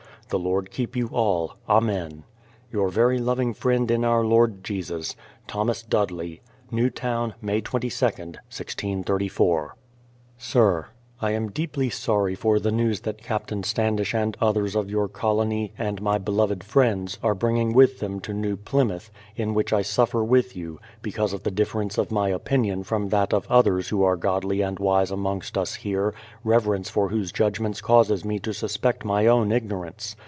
The Lord keep you all. Amen. Your very loving friend in our Lord Jesus, Newtown, May 22nd, 1634. THOMAS DUDLEY. Sir, I am deeply sorry for the news that Captain Standish and others of your colony, and my beloved friends, are bringing with them to New Plymouth, in which I suffer with you, because of the differ ence of my opinion from that of others who are godly and wise amongst us here, reverence for whose judgments causes me to suspect my own ignorance.